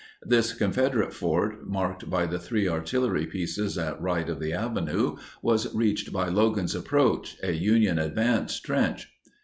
This Confederate fort, marked by the three artillery pieces at right of the avenue, was reached by "Logan's Approach," a Union advance trench.